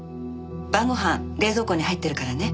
晩ご飯冷蔵庫に入ってるからね。